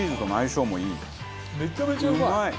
めちゃめちゃうまい！